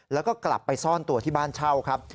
แล้วก็กลับไปซ่อนตัวที่บ้านเช่าครับ